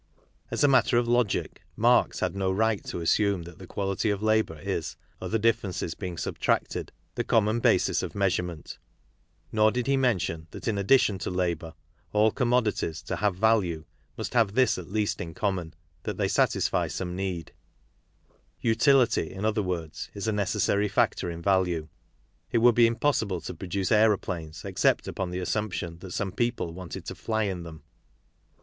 As a matter of logic, Marx had no right to assume that the quality of labour is, other differences being subtracted, the common basis of measurement. N,oiidjd.hejnention_ that, in addition tqjab our, all com modities to havevajue must, have this a t least m com moiT7TIi"at""t"Rey satisfy some need. Utilit y, iji_other^wordSj_i_s_a._neces.^s.a it wcmld be impossible to produce aeroplanes except" upon the assumption that some people wanted to fly in them.